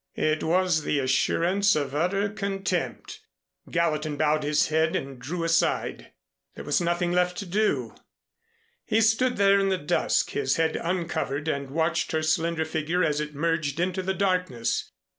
It was the assurance of utter contempt. Gallatin bowed his head and drew aside. There was nothing left to do. He stood there in the dusk, his head uncovered, and watched her slender figure as it merged into the darkness.